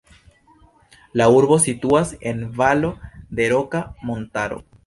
La urbo situas en valo de Roka Montaro.